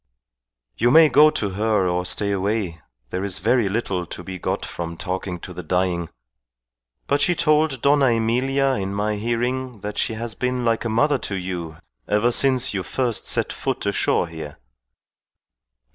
"You may go to her or stay away. There is very little to be got from talking to the dying. But she told Dona Emilia in my hearing that she has been like a mother to you ever since you first set foot ashore here."